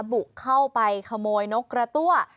บุกเข้าไปขโมยนกกระตั้ว